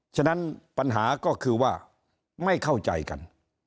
ฉะนั้นปัญหาก็คือว่าไม่เข้าใจกัน